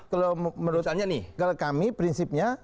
kalau menurut kami prinsipnya